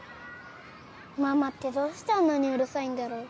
ママってどうしてあんなにうるさいんだろう？